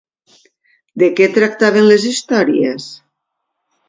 De què tractaven les històries?